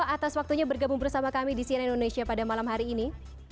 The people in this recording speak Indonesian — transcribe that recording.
atas waktunya bergabung bersama kami di cnn indonesia pada malam hari ini